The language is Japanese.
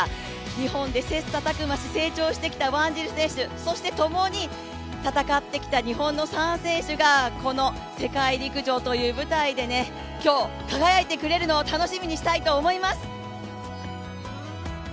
日本で切磋琢磨し成長してきたワンジル選手、そして、ともに戦ってきた日本の３選手がこの世界陸上という舞台で今日、輝いてくれるのを楽しみにしたいと思います。